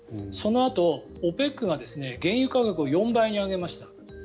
そのあとＯＰＥＣが原油価格を４倍に上げました。